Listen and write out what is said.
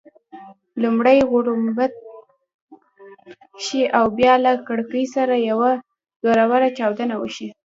لومړی غړومب شي او بیا له کړېکې سره یوه زوروره چاودنه وشي.